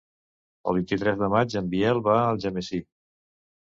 El vint-i-tres de maig en Biel va a Algemesí.